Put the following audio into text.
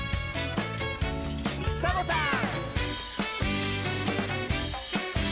サボさん！